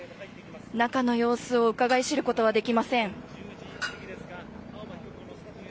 中の様子をうかがい知ることはできません。